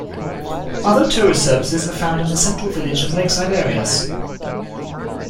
Other tourist services are found in the central village and lakeside areas.